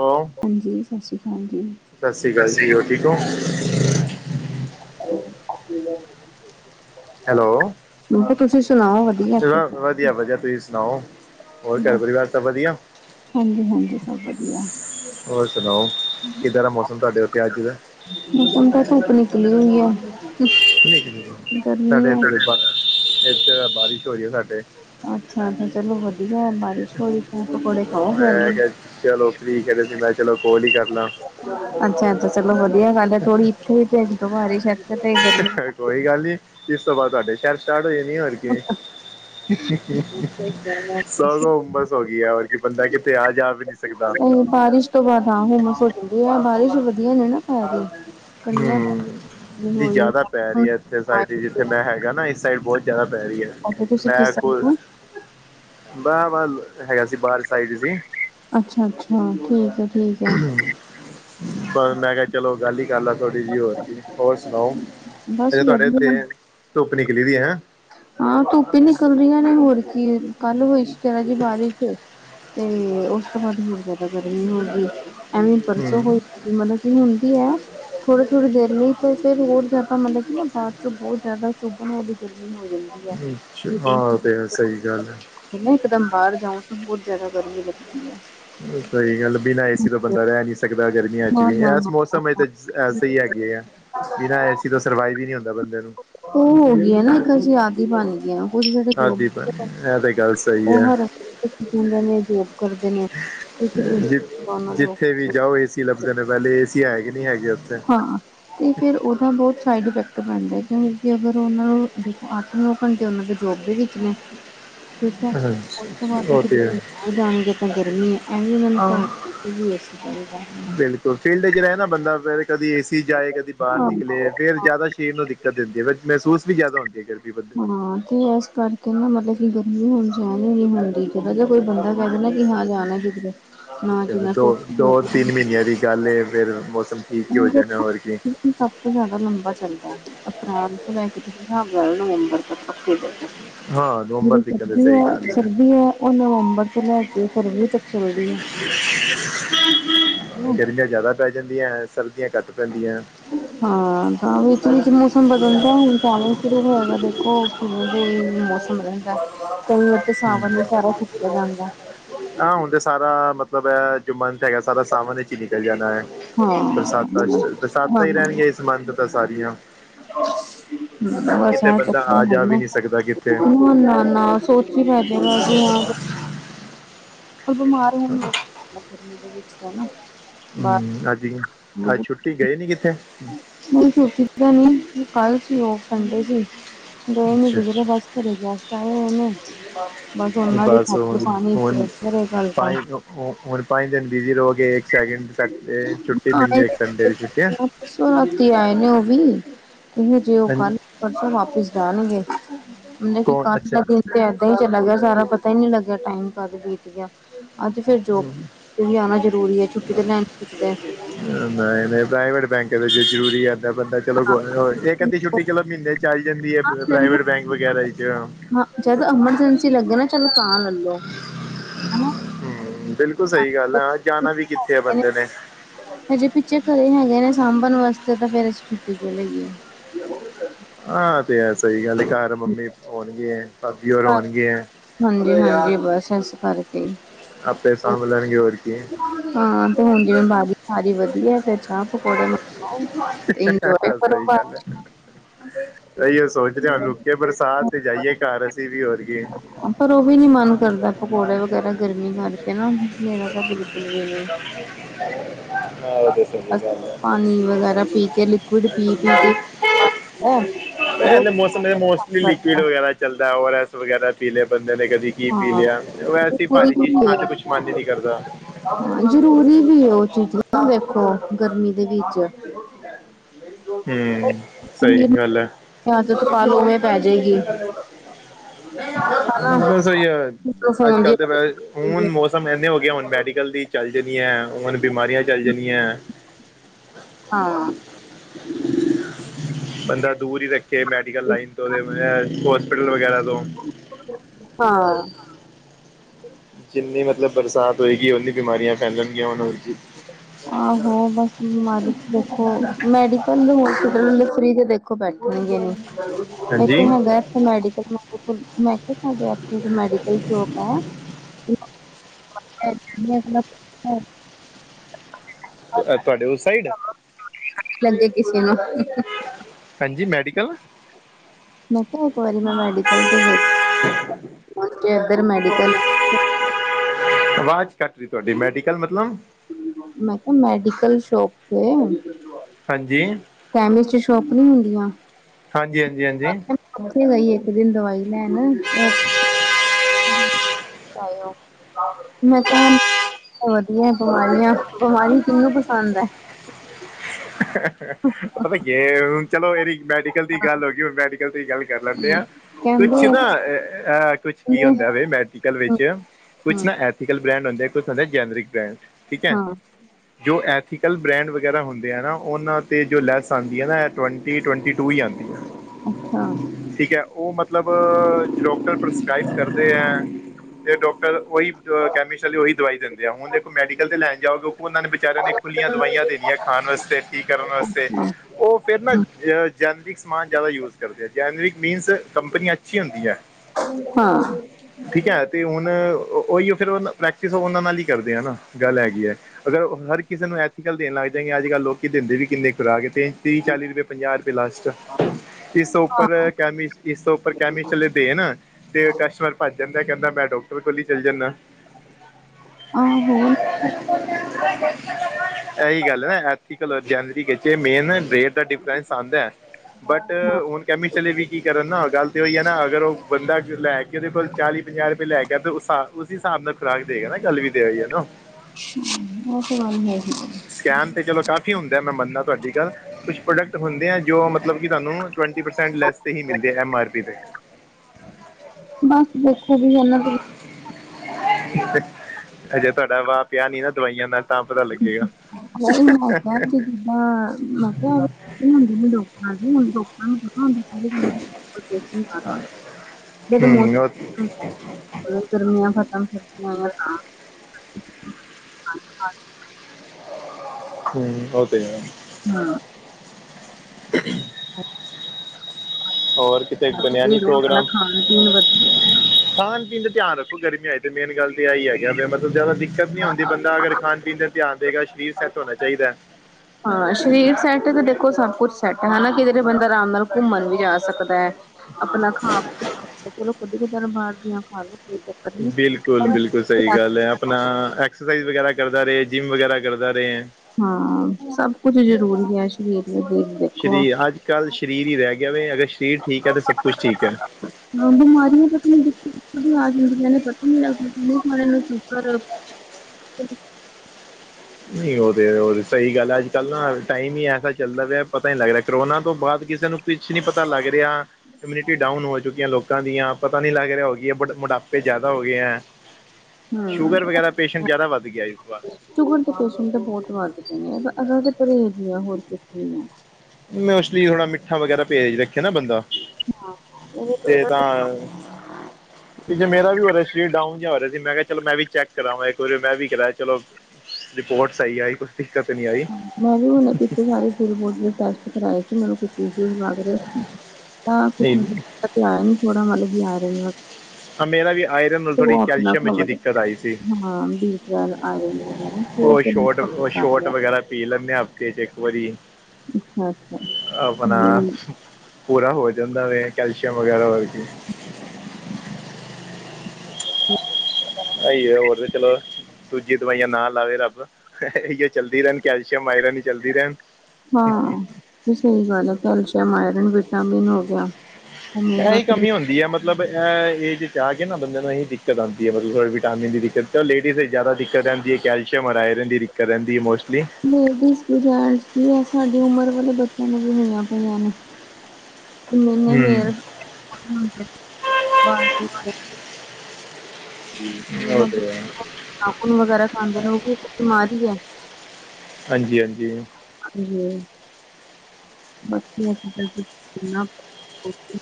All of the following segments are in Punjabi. ਹਾਂ। ਹਾਂਜੀ। ਸਤਿ ਸ਼੍ਰੀ ਅਕਾਲ ਜੀ। ਸਤਿ ਸ੍ਰੀ ਅਕਾਲ ਜੀ, ਹੋਰ ਠੀਕ ਹੋ। ਹੈਲੋ ਮ ਕਿਹਾ ਤੁਸੀਂ ਸੁਣਾਓ? ਵਧੀਆ। ਚਲੋ ਵਧੀਆ, ਵਧੀਆ ਤੁਸੀਂ ਸੁਣਾਓ। ਹੋਰ ਘਰ ਬਸ ਪਰਿਵਾਰ ਸਭ ਵਧੀਆ। ਹਾਂਜੀ ਹਾਂਜੀ ਸਭ ਵਧੀਆ ਹੋਰ ਸੁਣਾਓ ਕਿੱਦਾਂ ਦਾ ਮੌਸਮ ਤੁਹਾਡੇ ਉੱਥੇ ਅੱਜ ਦਾ? ਮੌਸਮ ਤਾਂ ਧੁੱਪ ਨਿਕਲੀ ਹੋਈ ਆ। ਨ ਗਰਮੀ ਸਾਡੇ ਹੈ ਇੱਥੇ ਦੇ ਇੱਥੇ ਦਾ ਬਾਰਿਸ਼ ਹੋ ਰਹੀ ਹੈ ਸਾਡੇ। ਅੱਛਾ- ਅੱਛਾ ਚਲੋ ਵਧੀਆ ਬਾਰਿਸ਼ ਹੋਈ। ਤਾਂ ਪਕੌੜੇ ਖਾਓ ਫਿਰ ਮੈਂ ਕਿਹਾ ਚਲੋ ਠੀਕ ਕਦੇ ਸੀ ਮੈਂ ਚਲੋ ਕੋਲ ਹੀ ਕਰ ਲਾ। ਅੱਛਾ -ਅੱਛਾ ਚਲੋ ਵਧੀਆ ਗੱਲ ਹੈ ਥੋੜੀ ਇੱਥੇ ਭੇਜ ਤੋਂਬਾਰਿਸ਼। ਕੋਈ ਗੱਲ ਨੀ। ਇਸ ਤੋਂ ਬਾਅਦ ਤੁਹਾਡੇ ਸ਼ਹਿਰ ਸਚਾਟ ਹੋਏ ਨੀ ਹੋਰ ਕੀ। [unintelligible] ਨਹੀਂ ਸੌਗ ਉਮਰਸ ਹੋ ਗਈ ਹੈ ਕਿ ਬੰਦਾ ਕਿਤੇ ਆ- ਜਾ ਵੀ ਨਹੀਂ ਸਕਦਾ। ਬਾਰਿਸ਼ ਤੋਂ ਬਾਅਦ ਹਾਂ ਹੁਮਸ ਹੋ ਜਾਂਦੇ ਆ ਬਾਰਿਸ਼ ਵਧੀਆ ਨੀ ਨਾ ਪੈ ਰਹੀ। ਕਣੀਆਂ ਹੂੰ, ਵੀ ਹੋ ਰਹੀ ਜਿਆਦਾ, ਪੈ ਰਹੀ ਹੈ ਇੱਥੇ ਸਾਈਡ ਜਿੱਥੇ ਮੈਂ ਹੈਗਾ ਨਾ ਇਸ ਸਾਈਡ ਬਹੁਤ ਜ਼ਿਆਦਾ ਪੈ ਰਹੀ ਹੈ, ਅੱਛਾ ਤੁਸੀਂ ਮੈਂ ਕਿਸ ਕੋ ਅੱਛਾ ਵਾਹ ਵਾਹ ਹੈਗਾ ਸੀ ਬਾਹਰ ਸਾਈਡ ਸੀ। ਅੱਛਾ-ਅੱਛਾ, ਠੀਕ ਹੈ ਠੀਕ ਹੈ ਪਰ ਮੈਂ ਕਿਹਾ ਚਲੋ ਗੱਲ ਹੀ ਕਰ ਲੈ ਥੋੜੀ ਜਿਹੀ ਹੋਰ ਹੋਰ ਸੁਣਾਓ। ਬਸ ਅੇ ਤੁਹਾਡੇ ਵਧੀਆ ਉੱਥੇ ਧੁੱਪ ਨਿਕਲੀ ਦੀ ਹੈ। ਹਾਂ ਧੁੱਪ ਹੀ ਨਿਕਲ ਰਹੀਆਂ ਨੇ ਹੋਰ ਕੀ ਕੱਲ ਹੋਈ ਸੀ ਬਾਰਿਸ਼ ਬਾਅਦ ਚ' ਤੇ ਉਸ ਤੋਂ ਬਾਅਦ ਹੋਰ ਜ਼ਿਆਦਾ ਗਰਮੀ ਹੋਗੀ। ਐਵੇਂ ਪਰਸੋਂ ਹੂੰ ਹੋਈ ਮਤਲਬ ਕੀ ਹੁੰਦੀ ਹੈ ਥੋੜੀ ਥੋੜੀ ਦੇਰ ਲਈ ਪਰ ਫੇਰ ਹੋਰ ਤਾਂ ਮਤਲਬ ਕਿ ਨਾ ਬਾਅਦ ਚੋਂ ਬਹੁਤ ਜ਼ਿਆਦਾ ਸੁਭਣ ਵਾਲੀ ਗਰਮੀ ਹੋ ਜਾਂਦੀ ਹੈ। ਅੱਛਾ, ਹਾਂ ਤੇ ਸਹੀ ਗੱਲ ਹੈ। ਨਾ ਇਕਦਮ ਬਾਹਰ ਜਾਓ ਤਾਂ ਬਹੁਤ ਜਿਆਦਾ ਗਰਮੀ ਲੱਗਦੀ ਹੈ। ਸਹੀ ਗੱਲ ਬਿਨਾਂ ਏਸੀ ਤੋਂ ਬੰਦਾ ਰਹਿ ਨੀ ਸਕਦਾ ਗਰਮੀਆਂ ਚ ਨਾ ਵੀ ਨਾ ਇਸ ਨਾ ਮੌਸਮ ਵਿੱਚ ਤਾਂ ਐਸ ਹੀ ਹੈਗੇ ਆ। ਬਿਨਾਂ ਏ ਸੀ ਤੋਂ ਸਰਵਾਈਵ ਹੀ ਨੀ ਹੁੰਦਾ ਬੰਦੇ ਨੂੰ। ਉਹ ਹੋ ਗਈਆਂ ਨਾ ਇੱਕਸੀ ਯਾਦ ਹੀ ਬਣ ਗਈਆਂ। [unintelligible] ਆਦੀ ਇਹ ਤਾਂ ਗੱਲ ਸਹੀ ਹੈ ਉਹ ਹਰਦੇ ਨੇ ਜੋਬ ਕਰਦੇ ਨੇ। ਜਿ ਜਿੱਥੇ ਵੀ ਜਾਓ ਏਸੀ ਲੱਭਦੇ ਨੇ ਪਹਿਲੇ ਏਸੀ ਹੈਗੇ ਨਹੀਂ ਹੈਗੇ ਉੱਥੇ। ਹਾਂ। ਅਤੇ ਫਿਰ ਉਹਦਾ ਬਹੁਤ ਸਾਈਡ ਇਫੈਕਟ ਪੈਂਦਾ ਕਿਉਂਕਿ ਅਗਰ ਉਹਨਾਂ ਨੂੰ ਦੇਖੋ ਅੱਠ ਦੋ ਘੰਟੇ ਅਤੇ ਉਹਨਾਂ ਦੇ ਜੋਬ ਦੇ ਵਿੱਚ ਨੇ, [unintelligible] ਠੀਕ ਹੈ। ਉਸ ਤੋਂ ਬਾਅਦ ਉਹ ਤੁਸੀ ਤੇ ਜੋਂ ਹੈ ਬਾਹਰ ਜਾਣਗੇ ਤਾਂ ਗਰਮੀ ਆ ਉਹ ਵੀ ਮੈਨੂੰ ਘਰ ਕਰੇਗਾ, ਬਿਲਕੁਲ ਫੀਲਡ ਚ ਰਹੇ ਨਾ ਬੰਦਾ ਫਿਰ ਕਦੀ ਏ ਸੀ ਜਾਏ ਕਦੀ ਬਾਹਰ ਨਿਕਲੇ ਫਿਰ ਜ਼ਿਆਦਾ ਖੀਰ ਨੂੰ ਦਿੱਕਤ ਦਦੀ ਮਹਿਸੂਸ ਵੀ ਜ਼ਿਆਦਾ ਹੁੰਦੀ ਹੈ। ਬੰਦੇ ਨੂੰ ਹਾਂ ਤੇ ਐ ਇਸ ਕਰ ਕਹਿੰਦਾ ਮਤਲਬ ਕਿ ਗਰਮੀ ਹੁਣ ਹੀ ਨੀ ਹੁੰਦੀ ਜਦ ਕੋਈ ਬੰਦਾ ਕਹਿ ਦਿੰਦਾ ਕਿ ਹਾਂ ਜਾਣਾ ਜਿੱਧਰ। ਚਲ ਦੋ ਦੋ ਤਿੰਨ ਮਹੀਨਿਆਂ ਦੀ ਗੱਲ ਹੈ ਫਿਰ ਮੌਸਮ ਠੀਕ ਹੀ ਹੋ ਜਾਣਾ ਹੋਰ ਕੀ। ਇਹ ਸਭ ਤੋਂ ਜਿਆਦਾ ਲੰਬਾ ਚੱਲਦਾ। ਅਪ੍ਰੈਲ ਤੋਂ ਲੈ ਕੇ ਤੁਸੀਂ ਹਿਸਾਬ ਨਾਲ ਨਵੰਬਰ ਤੱਕ ਹਾਂ। ਨਵੰਬਰ ਜਿਹੜੀ ਤੀਕਨ ਤੇ ਸਰਦੀ ਸਹੀ ਹੈ ਗੱਲ ਸਰਦੀ ਹੈ ਉਹ ਨਵੰਬਰ ਤੋਂ ਲੈ ਕੇ ਫਰਵਰੀ ਤੱਕ ਚੱਲਦੀ ਹੈ। ਗਰਮੀਆਂ ਜ਼ਿਆਦਾ ਪੈ ਜਾਂਦੀਆਂ ਸਰਦੀਆਂ ਘੱਟ ਪੈਂਦੀਆਂ। ਹਾਂ, ਤਾਂ ਵਿੱਚ ਵਿੱਚ ਮੌਸਮ ਬਦਲਦਾ ਹੁਣ ਜਾਣਾ ਸ਼ੁਰੂ ਹੋਇਗਾ ਦੇਖੋ, ਮੌਸਮ ਰਹਿੰਦਾ ਕਈ ਵਾਰ ਤੇ ਸਾਵਣ ਨੂੰ ਸਾਰਾ ਸੁਟਿਆ ਜਾਂਦਾ। ਆਹ ਹੁਣ ਤੇ ਸਾਰਾ ਮਤਲਬ ਹੈ ਜੋ [unintelligible] ਚ ਹੈਗਾ ਸਾਰਾ ਸਾਮਨ ਵਿਚ ਹੀ ਨਿਕਲ ਜਾਣਾ ਹੈ। ਹਾਂ ਬਰਸਾਤਾਂ ਚ ਬਰਸਾਤਾਂ ਹੀ ਹਾਂ ਰਹਿਣਗੀਆਂ ਇਸਬਤ ਤਾਂ ਸਾਰੀਆਂ। [unintelligible] ਕਿਤੇ ਬੰਦਾ ਕਿ ਆ ਜਾ ਵੀ ਨਹੀਂ ਸਕਦਾ ਕਿਤੇ ਰਾਜੇ ਕਰਦੇ ਹਾਂ ਪਰ ਬਿਮਾਰ ਹੋਣ ਵਧੀਆ ਗਰਮੀ ਦੇ ਵਿੱਚ ਹਨਾ। ਹਾਂਜੀ, ਅੱਜ ਛੁੱਟੀ ਗਏ ਨੀ ਕਿੱਤੇ? ਮੈਂ ਸੋਚੀ ਜਾਣੀਆ ਕਿ ਕੱਲ ਸੀ ਔਫ ਸੰਡੇ ਸੀ। ਗਏ ਨੀ ਅੱਛਾ ਕਿੱਧਰੇ ਅੱਛਾ ਬਸ ਘਰੇ ਗੈਸਟ ਆਏ ਹੋਏ ਨੇ ਬਸ ਉਹਨਾਂ ਦੇ ਬਸ ਖਾ ਹੁਣ ਪਾਣੀ ਹੁਣ ਰਹੇ ਗੱਲ ਤਾਂ ਪੰਜ ਹੁਣ ਪੰਜ ਦਿਨ ਬਿਜ਼ੀ ਰਹੋਗੇ ਇੱਕ ਸੈਕਿੰਡ ਸੈਟਡੇ ਛੁੱਟੀ ਮਿਲਣੀ ਇੱਕ ਕੰਡੇ ਦੀ ਛੁੱਟੀਆਂ, ਪਰਸੋ ਰਾਤੀ ਆਏ ਨੇ ਉਹ ਵੀ, ਤੁ ਹਜੇ ਉਹ ਕੱਲ੍ਹ, ਪਰਸੋਂ ਵਾਪਿਸ ਜਾਣਗੇ, ਨਹੀਂ ਕੌਣ ਕੱਲ੍ਹ ਅੱਛਾ ਦਾ ਦਿਨ ਤੇ ਏਦਾਂ ਹੀ ਚਲਾ ਗਿਆ ਸਾਰਾ ਪਤਾ ਹੀ ਨੀ ਲੱਗਿਆ ਟਾਈਮ ਕਦ ਬੀਤ ਗਿਆ। ਅੱਜ ਫੇਰ ਜੋਬ ਨਹੀਂ ਵੀ ਆਉਣਾ ਜ਼ਰੂਰੀ ਹੈ ਛੁੱਟੀ ਤੇ ਲੈ ਨੇ ਸਕਦੇ। ਨਹੀਂ -ਨਹੀਂ ਪ੍ਰਾਈਵੇਟ ਬੈਂਕ ਦੇ ਜ਼ਰੂਰੀ ਹੈ ਬੰਦਾ ਚਲੋ ਗ ਇੱਕ ਅੱਧੀ ਛੁੱਟੀ ਚਲੋ ਮਹੀਨੇ ਚ ਚਲ ਜਾਂਦੀ ਹੈ ਪ੍ਰਾਈਵੇਟ ਬੈਂਕ ਵਗੈਰਾ ਚ ਜਦੋਂ ਐਮਰਜੈਂਸੀ ਲੱਗੇ ਨਾ ਚਲੋ ਤਾਂ ਲੈਲੋ ਹਮ ਹਨਾ। ਬਿਲਕੁਲ ਬਿਲਕੁਲ ਸਹੀ ਗੱਲ ਹੈ, ਜਾਣਾ ਵੀ ਕਿੱਥੇ ਆ ਬੰਦੇ ਨੇ ਹਜੇ ਪਿੱਛੇ ਘਰੇੇ ਹੈਗੇ ਨੇ ਸਾਂਭਣ ਵਾਸਤੇ ਤਾਂ ਫੇਰ ਅਸੀਂ ਛੁੱਟੀ ਕਿਉ ਲਈਏ ਹਾਂ, ਤੇ ਹੈ ਸਹੀ ਗੱਲ ਘਰ ਮੰਮੀ ਹੋਣਗੇ ਹੈ ਭਾਬੀ ਹੋਣਗੇ ਹੈ। ਹਾਂਜੀ-ਹਾਂਜੀ, ਬਸ ਇਸ ਕਰਕੇ। ਆਪੇ ਸਾਮ ਲੈਣਗੇ ਹੋਰ ਕੀ। ਹਾਂ ਤੇ ਹੁਣ ਜਿਵੇਂ ਬਾਰੀ ਸਾਰੀ ਵਧੀਆ ਫਿਰ ਚ ਪਕੌੜੇ ਬਣਾਓ ਇੰਜੋਏ ਕਰ ਅਹੀ ਸੋਚ ਰਹੇ ਰੁਕੇ ਬਰਸਾਤ ਤੇ ਜਾਈਏ ਘਰ ਅਸੀਂ ਵੀ ਹੋਰਗਏ ਪਰ ਉਹ ਵੀ ਨੀ ਮਨ ਕਰਦਾ ਪਕੌੜੇ ਵਗੈਰਾ ਗਰਮੀ ਕਰਕੇ ਨਾ ਮੇਰਾ ਤਾਂ ਬਿਲਕੁਲ ਵੀ ਨੀ ਆਹੋ ਤੇ ਸਹੀ ਗੱਲ ਹੈ ਹਨੀ ਵਗੈਰਾ ਪੀ ਕੇ ਲਿਕਵਿਡ ਪੀ ਪੀ ਕੇ ਹੈ ਮੌਸਮ ਮੋਸਟਲੀ ਲਿਕੁਿਡ ਵਗੈਰਾ ਚੱਲਦਾ ਓਰ ਐਸ ਵਗੈਰਾ ਪੀ ਲਏ ਬੰਦੇ ਨੇ ਕਦੀ ਕੀ ਪੀ ਲਿਆ, ਵੈਸੀੇ ਭਾਰੀ ਚੀਜ਼ ਵੀ ਖਾਣ ਹੈ ਤੇ ਕੁੱਛ ਮਨ ਈ ਨੀ ਕਰਦਾ। ਜ਼ਰੂਰੀ ਵੀ ਓ ਚੀਜ਼ਾਂ ਵੇਖੋ, ਗਰਮੀ ਦੇ ਵਿੱਚ ਹੂੰ, ਸਹੀ ਗੱਲ ਐ। ਇਹ ਆਦਤ ਪਾਲੋ ਓਵੇਂ ਪੈ ਜਾਏਗੀ। [unintelligible] ਅੱਜ ਫੋਨ ਦੀ ਕੱਲ ਤਾਂ ਆਦਤ ਵੈਸ ਪਈ ਹੁਣ ਹੈ ਮੌਸ ਮ ਐਨੇ ਹੋ ਗਏ ਹੁਣ ਮੈਡੀਕਲ ਦੀ ਚੱਲ ਜਣੀ ਐ ਹੁਣ ਬਿਮਾਰੀਆਂ ਚੱਲ ਜਣੀ ਐ। ਹਾਂ। [unintelligible] [unintelligible] ਬੰਦਾ ਦੂਰ ਈ ਰੱਖੇ ਮੈਡੀਕਲ ਲਾਈਨ ਤੋਂ ਤੇ ਹੋਸਪੀਟਲ ਵਗੈਰਾ ਤੋਂ। ਹਾਂ। ਜਿੰਨੀ ਮਤਲਬ ਬਰਸਾਤ ਹੋਏਗੀ ਓਨੀ ਬਿਮਾਰੀਆਂ ਫੈਲਣਗੀਆਂ ਹੁਣ ਹੋਰ ਕੀ। ਆਹੋ ਬਸ ਬਿਮਾਰੀ ਦੇਖੋ ਮੈਡੀਕਲ ਹੋਸਪਿਟਲ ਫ੍ਰੀ ਦੇ ਖੋ ਬੈਠਣਗੇ ਨੀ। ਇਕ ਹਾਂਜੀ ਹੈਗਾ ਮੈਡੀਕਲ ਪਰ ਮੈ ਕਿਹਾ ਤੁਹਾਡੀ ਮੈਡੀਕਲ ਸ਼ੋਪ ਐ। [inaudible] [inaudible] ਤੁ ਤੁਹਾਡੇ ਉਸ ਸਾਈਡ? ਲੱਗੇ ਕਿਸੀੇ ਨੂੰ। ਹਾਂਜੀ ਮੈਡੀਕਲ ਮੈਂ ਕਿਹਾ ਇੱਕ ਵਾਰੀ ਮੈਂ ਮੈਡੀਕਲ ਤੇ ਗਈ [unintelligible] ਇਧਰ ਮੈਡੀਕਲ ਆਵਾਜ਼ ਕੱਟ ਰੀ ਤੁਹਾਡੀ, ਮੈਡੀਕਲ ਮਤਲਬ ਮੈਂ ਕਿਹਾ ਮੈਡੀਕਲ ਸ਼ੋਪ ਤੇ। ਹਾਂਜੀ। ਕੈਮਿਸਟ ਸ਼ੋਪ ਨੀ ਹੁੰਦੀਆਂ। ਹਾਂਜੀ ਹਾਂਜੀ ਹਾਂਜੀ ਉਥੇ ਗਈ ਇੱਕ ਦਿਨ ਦਵਾਈ ਲੈਣ ਅ ਮੈਂ ਤਾਂ ਵਧੀਆ ਬਿਮਾਰੀਆਂ, ਬਿਮਾਰੀ ਕਿਨੂੰ ਪਸੰਦ ਐ। ਮਤਲਬ ਗਏ ਓ ਹੂੰ ਚਲੋ ਮੇਰੀ ਮੈਡੀਕਲ ਦੀ ਹਾਂ ਗੱਲ ਹੋਗੀ ਮੈਡੀ ਤੇ ਈ ਗੱਲ ਕਰ ਲੈਂਦੇ ਹਾਂ। ਆ। ਕੁੱਛ ਕਹਿੰਦੇ ਨਾ ਅ ਕੁੱਛ ਕੀ ਹੁੰਦਾ ਮੈਡੀਕਲ ਵਿੱਚ, ਹਾਂ ਕੁੱਛ ਨਾ ਡੀਕਲ ਬਰੇਂਡ ਹੁੰਦੇ ਕੁੱਛ ਹੁੰਦਾ ਜੈਨਰਿਕ ਬਰੇਂਡ ਠੀਕ ਐ। ਹਾਂ ਜੋ ਐਥੀਕਲ ਬ੍ਰੈਂਡ ਵਗੈਰਾ ਹੁੰਦੇ ਆ ਨਾ ਉਹਨਾਂ ਤੇ ਜੋ ਲੈਸ ਆਂਉਦੀ ਐ ਨਾ ਟਵੰਟੀ, ਟਵੰਟੀ ਟੂ ਈ ਆਉਂਦੀ ਐ ਅੱਛਾ। ਓ ਮਤਲਬ ਡਾਕਟਰ ਪ੍ਰਿਸਕ੍ਰਾਈਬ ਕਰਦੇ ਐ, ਤੇ ਡਾਕਟਰ- ਟਰ ਓਈ ਕੈਮਿਸਲ ਓਹੀ ਦਵਾਈ ਦਿੰਦੇ ਆ ਹੁਣ ਦੇਖੋ ਮੈਡੀਕਲ ਤੇ ਲੈਣ ਜਾਓਗੇ ਓਨਾਂ ਨੇ ਵਿਚਾਰਿਆਂ ਨੇ ਖੁੱਲੀਆਂ ਦਵਾਈਆਂ ਦੇਣੀਆਂ ਖਾਣ ਵਾਸਤੇ ਕਰਨ ਵਾਸਤੇ ਹਾਂ ਓ ਫਿਰ ਨਾ ਜ ਜੈਨਰਿਕ ਸਮਾਨ ਜਾਦਾ ਯੂਜ ਕਰਦੇ ਆ ਜੈਨਰਿਕ ਮੀਨਸ ਕੰਪਨੀਆਂ ਅੱਛੀ ਹੁੰਦੀ ਹੈ ਹਾਂ ਠੀਕ ਐ। ਤੇ ਹੁਣ ਓਈਓ ਫੇਰ ਓ ਪ੍ਰੈਕਟਿਸ ਓਨਾਂ ਨਾਲ ਈ ਕਰਦੇ ਆ ਨਾ ਗੱਲ ਐਹ ਹੈਗੀ ਐ। ਅਗਰ ਹਰ ਕਿਸੇ ਨੂੰ ਐਥੀਕਲ ਦੇਣ ਲੱਗਜੇ ਗੇ ਅੱਜ ਕੱਲ ਲੋਕ ਦਿੰਦੇ ਵੀ ਕਿੰਨੇ ਕਰਾ ਕੇ ਤੇ ਤੀਹ ਚਾਲੀ ਰੁਪਏ ਪੰਜਾਹ ਰੁਪਏ ਲਾਸਟ ਇਸ ਉਪਰ ਕੈਮੀ ਇਸ ਤੋਂ ਉਪਰ ਕੈਮਿਸਟ ਵਾਲੇ ਦੇਣ ਤੇ ਕਸਟਮਰ ਭੱਜ ਜਾਂਦਾ ਕੈਂਦਾ ਮੈਂ ਡੋਕਟਰ ਕੋਲ ਈ ਚੱਲ ਜਾਂਨਾ। ਆਹੋ [unintelligible] ਏਹੀ ਗੱਲ ਹੈ ਨਾ ਏਥਿਕਲ ਓਰ ਜੈਨਰਿਕ ਚ ਮੇਨ ਰੇਟ ਦਾ ਡਿਫਰੰਸ ਆਂਦਾ। ਬਟ ਹਾਂ ਹੁਣ ਕੈਮਿਸਟ ਵਾਲੇ ਵੀ ਕੀ ਕਰਨ ਨਾ ਗੱਲ ਤੇ ਓਹੀ ਦੀ ਐ ਨਾ ਅਗਰ ਓ ਬੰਦਾ ਲੈ ਕੇ ਓਦੇ ਕੋਲ ਚਾਲੀ ਪੰਜਾਹ ਰੁਪਏ ਲੈ ਗਿਆ ਤਾਂ ਉਸ [unintelligible] ਉਸੀ ਹਿਸਾਬ ਨਾਲ ਖੁਰਾਕ ਦੇਗਾ ਨਾ ਗੱਲ ਵੀ ਤੇ ਏਹੀ ਹੈ ਨਾ। [unintelligible] ਓ ਤੇ ਗਾਲ ਹੈ ਇ। ਸਕੈਮ ਤੇ ਚਲੋ ਕਾਫ਼ੀ ਹੁੰਦਾ ਮੈਂ ਮੰਨਨਾ ਤੁਹਾਡੀ ਗੱਲ ਕੁੱਛ ਪ੍ਰੋਡਕਟ ਹੁੰਦੇ ਹੈ ਜੋ ਮਤਲਬ ਤੁਹਾਨੂੰ ਤਵੇਂਟੀ ਪਰਸੈਂਟ ਲੈਸ ਤੇ ਹੀ ਮਿਲਦੇ ਹੈ ਐਮ ਆਰ ਪੀ ਤੇ। ਬਸ ਦੇਖੋ [unintelligible] ਹਜੇ ਤੁਹਾਡਾ ਵਾਹ ਪਿਆ ਨੀ ਨਾ ਦਵਾਈਆਂ ਨਾਲ। ਤਾਂ ਪਤਾ ਲੱਗੇਗਾ। [unintelligible] ਹਮ ਉਹ [unintelligible] [unintelligible] [unintelligible] ਹੂੰ ਉਹ ਤੇ ਹੈ। [unintelligible] [unintelligible] [inaudible] ਹੋਰ ਕਿਤੇ ਬਸ ਬਨਿਆ ਨੀ ਫਿਰ ਉਹ ਆਪਣਾ ਪ੍ਰੋਗਰਾਮ? [unintelligible] ਖਾਣ ਪੀਣ ਵ [unintelligible] ਧਿਆਨ ਰੱਖੋ ਗਰਮੀਆਂ ਚ ਤੇ ਮੇਨ ਗੱਲ ਤੇ ਐਹ ਹੀ ਹੈਗਾ ਵੇ ਮਤਲਬ ਜ਼ਿਆਦਾ ਦਿ ਦਿੱਕਤ ਨੀ ਹੂੰਦੀ ਬੰਦਾ ਅਗਰ ਖਾਣ ਪੀਣ ਤੇ ਧਿਆਨ ਦੇਗਾ ਸ਼ਰੀਰ ਸੱਤ ਹੋਣਾ ਚਾਹੀਦਾ ਹੈ। ਹਾਂ ਸਰੀਰ ਸੈੱਟ ਏ ਤੇ ਦੇਖੋ ਸਭ ਕੁੱਛ ਸੈੱਟ ਹੈਨਾ। ਕਿਧਰੇ ਬੰਦਾ ਆਰਾਮ ਨਾਲ ਘੁੰਮਣ ਵੀ ਜਾ ਸਕਦਾ ਹੈ ਆਪਣਾ ਖਾ ਬਾਰ ਦੀਆਂ [unintelligible] ਬਿਲਕੁਲ ਬਿਲਕੁਲ ਸਹੀ ਗੱਲ ਏ ਆ ਆਪਣਾ ਐਕਸਰਸਾਈਜ਼ ਵਗੈਰਾ ਕਰਦਾ ਰਹੇ ਜਿੰਮ ਵਗੈਰਾ ਕਰਦਾ ਰਹੇ ਹਾਂ ਸਭ ਕੁਛ ਜ਼ਰੂਰੀ ਹੈ ਸਰੀਰ ਲਈ ਦੇਖੋ। ਸ਼ਰੀਰ ਅੱਜ ਕੱਲ ਸ਼ਰੀਰ ਈ ਰਹਿ ਗਿਆ ਵੇ ਅਗਰ ਸ਼ ਸ਼ਰੀਰ ਠੀਕ ਹੈ ਤੇ ਸਭ ਕੁੱਛ ਠੀਕ ਹੈ। [unintelligible] ਨਹੀਂ ਉਹ ਤੇ ਉਹ ਤੇ ਸਹੀ ਗੱਲ ਹੈ ਅੱਜ ਕੱਲ੍ਹ ਨਾ ਟਾਈਮ ਹੀ ਐਸਾ ਚੱਲਦਾ ਪਿਆ ਪਤਾ ਨਹੀਂ ਲੱਗ ਰਿਹਾ ਕਰੋਨਾ ਤੋਂ ਬਾਅਦ ਕਿਸੇ ਨੂੰ ਕੁੱਛ ਨੀ ਪਤਾ ਲੱਗ ਰਿਹਾ ਇਮਿਊਨਿਟੀ ਡਾਊਨ ਹੋ ਚੁੱਕੀਆਂ ਲੋਕਾਂ ਦੀਆਂ ਪਤਾ ਨੀ ਲੱਗ ਰਹਿਆ [unintelligible] ਮੋਟਾ ਜ਼ਿਆਦਾ ਹੋ ਗਏ ਹੈ ਹਮ ਸ਼ੂਗਰ ਵਗੈਰਾ ਪੇਸ਼ੈਂਟ ਜਿਆਦਾ ਵੱਧ ਗਿਆ ਇਸ ਵਾਰ। ਸ਼ੂਗਰ ਦੇ ਪੇਸ਼ੈਂਟ ਤਾਂ ਬਹੁਤ ਵੱਧ ਗਏ ਨੇ ਅਗਰ ਤਾਂ ਪਰਹੇਜ਼ ਹੀ ਆ ਹੋਰ ਕੁਛ ਨੀ ਆ। [unintelligible] ਥੋੜਾ ਮਿੱਠਾ ਵਗੈਰਾ ਭੇਜ ਰੱਖੇ ਨਾ ਬੰਦਾ, ਹੈ। ਤੇ ਤਾਂ ਨੀ ਤੇ ਮੇਰਾ ਵੀ ਹੋ ਰਿਹਾ ਸਰੀਰ ਡਾਊਨ ਜਿਹਾ ਹੋ ਰਿਹਾ ਸੀ ਮੈਂ ਕਿਹਾ ਚਲੋ ਮੈਂ ਵੀ ਚੈੱਕ ਚੈੱਕ ਕਰਾਵਾਂ ਇੱਕ ਵਾਰੀ ਮੈਂ ਵੀ ਕਹਿਆ ਚਲੋ ਰਿਪੋਰਟਸ ਆਈ ਕੁ [unintelligible] ਮੈਂ ਵੀ ਹੁਣ [unintelligible] [unintelligible] ਟੈਸਟ ਕਰਵਾਏ ਸੀ ਮੈਨੂੰ ਕੁਛ ਲਗ ਰਹੇ ਸੀ ਤਾਂ ਕੁਛ ਨਹੀਂ [unintelligible] ਆ ਮੇਰਾ ਵੀ ਆਇਰਨ ਨਾਲ ਥੋੜੀ ਕੈਲਸ਼ੀਅਮ ਵਿੱਚ ਹੀ ਦਿੱਕਤ ਆਈ ਸੀ [unintelligible] ਉਹ ਸ਼ੋਟ ਉਹ ਸ਼ੋਟ [unintelligible] ਵਗੈਰਾ ਪੀ ਲੈਂਨੇ ਆ, ਹਫ਼ਤੇ ਚ ਇੱਕ ਵਾਰੀ ਆਪਣਾ ਪੂਰਾ ਹੋ ਜਾਂਦਾ ਵੇ, ਕੈਲਸ਼ੀਅਮ ਵਗੈਰਾ ਵਰਗੀ। ਅਈਏ ਹੋਰ ਤੇ ਚਲੋ ਦੂਜੀ ਦਵਾਈਆਂ ਨਾ ਲਾਵੇ ਰੱਬ, ਐਹੀਓ ਚੱਲਦੀ ਰਹਿਣ, ਕੈਲਸ਼ੀਅਮ ਆਇਰਨ ਹੀ ਚੱਲਦੀ ਰਹਿਣ ਹਾਂ ਇਹ ਸਹੀ ਗੱਲ ਹੈ ਕੈਲਸ਼ੀਅਮ ਆਇਰਨ ਵਿਟਾਮਿਨ ਹੋ ਗਿਆ ਐਹੀ ਕਮੀਆ ਹੁ ਡੀ ਏ ਮਤਲਬ ਇਹ ਏ ਚ ਆ ਕੇ ਨਾ ਬੰਦਿਆਂ ਨੂੰ ਇਹੀ ਦਿੱਕਤ ਆਦੀ ਐ, ਮਤਲਬ ਵਿਟਾਮਿਨ ਦੀ ਦਿੱਕਤ ਤਾਂ ਲੇਡੀਜ਼ ਇਹ ਜ਼ਿਆਦਾ ਦਿੱਕਤ ਰਹਿੰਦੀ ਹੈ, ਕੈਲਸ਼ੀਅਮ ਔਰ ਆਇਰਨ ਦੀ ਦਿੱਕਤ ਰਹਿੰਦੀ ਹੈ, ਮੋਸਟਲੀ ਲੇਡੀਜ਼ ਵੀ ਜੈਂਟਸ ਵੀ ਸਾਡੀ ਉਮਰ ਵਾਲੇ ਬੱਚਿਆਂ ਨੂੰ ਵੀ ਹੋਈਆਂ ਪਈਆਂ ਨੇ, ਹੂੰ [unintelligible] ਉਹ ਨੂੰ ਤੇ ਹੈ। ਵਗੈਰਾ ਖਾਂਦੇ ਨੇ, ਉਹ ਵੀ ਇੱਕ ਬਿਮਾਰ ਹੀ ਹੈ। ਹਾਂਜੀ-ਹਾਂਜੀ, ਹਾਂ, ਬਾਕੀ [unintelligible]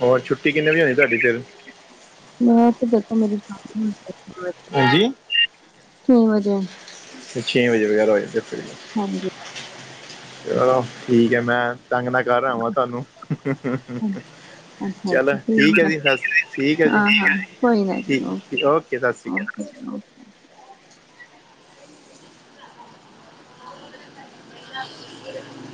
ਹੋਰ ਛੁੱਟੀ ਕਿੰਨ ਵਜੇ ਆਉਦੀ ਤੁਹਾਡੀ ਫਿਰ ਮੈਂ ਤੇ ਦੇਖਾਗੀ ਮੇਰੀ, ਹਾਂਜੀ, ਛੇ ਵਜੇ। ਫੇਰ ਛੇ ਵਜੇ [unintelligible] ਹਾਂਜੀ, ਚਲੋ ਠੀਕ ਹੈ, ਮੈਂ [unintelligible] ਨਾਲ, ਕਰ ਆਵਾਂ ਤੁਹਾਨੂੰ, ਹਾਂਜੀ ਚਲੋ ਠੀਕ ਹੈ, ਜੀ ਠੀਕ ਹੈ ਜੀ, ਹਾਂ ਹਾਂ ਕੋਈ ਨਾ ਜੀ ਠੀ ਓਕੇ ਸਤਿ ਸ਼੍ਰੀ ਅਕਾਲ। ਓਕੇ [unintelligible] [unintelligible]